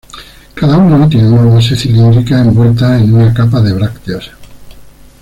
Cada uno tiene una base cilíndrica envuelta en una capa de brácteas.